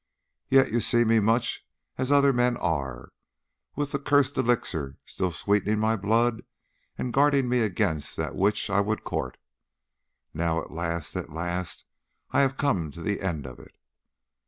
Yet you see me much as other men are, with the cursed elixir still sweetening my blood, and guarding me against that which I would court. Now at last, at last I have come to the end of it!